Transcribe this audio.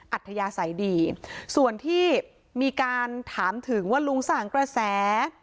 อัธยาศัยดีส่วนที่มีการถามถึงว่าลุงสั่งกระแส